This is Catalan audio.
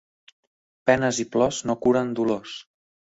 Penes i plors no curen dolors.